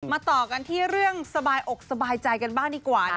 ต่อกันที่เรื่องสบายอกสบายใจกันบ้างดีกว่า